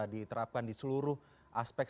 diterapkan di seluruh aspek